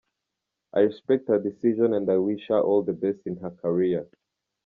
i respect her decision and i wish her all the best in her career.